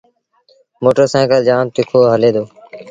موٽر سآئيٚڪل جآم تکو هلي دو۔